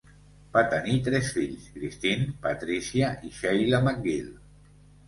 Va tenir tres fills, Christine, Patricia i Sheila MacGill.